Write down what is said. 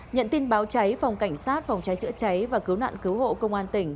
nhận tin báo cháy phòng cảnh sát phòng cháy chữa cháy và cứu nạn cứu hộ công an tỉnh